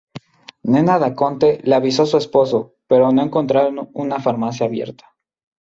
Nena Daconte le avisó a su esposo, pero no encontraron una farmacia abierta.